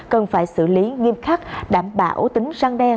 cần phải xử lý nghiêm khắc đảm bảo tính răng đe